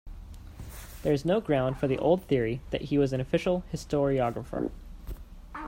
There is no ground for the old theory that he was an official historiographer.